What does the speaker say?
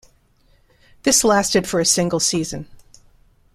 This lasted for a single season.